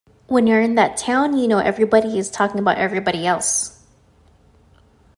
When you're in that town you know everybody is talking about everybody else.